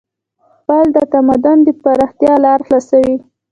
پل د تمدن د پراختیا لار خلاصوي.